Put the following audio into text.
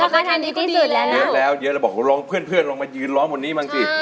เขาทำได้ดีกว่าดีแล้วนะครับเยอะแล้วเยอะแล้วบอกเพื่อนลงมายืนร้องวันนี้มั่งสิ